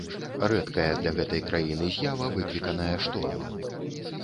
Рэдкая для гэтай краіны з'ява выкліканая штормам.